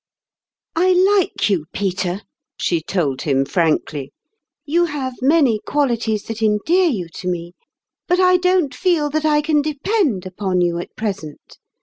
u I like you, Peter," she told him frankly ; prologue. 13 u you have many qualities that endear you to me, hut I don't feel that I can depend upon you at present.